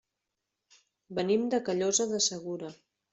Venim de Callosa de Segura.